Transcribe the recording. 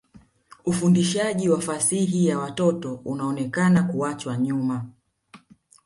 Ufundishaji wa fasihi ya watoto unaonekana kuachwa nyuma.